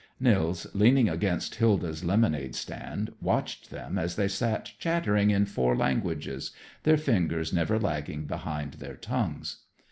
Nils, leaning against Hilda's lemonade stand, watched them as they sat chattering in four languages, their fingers never lagging behind their tongues.